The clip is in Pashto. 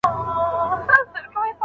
ځيني وخت ناوړه کړني وده کوي او ډيريږي.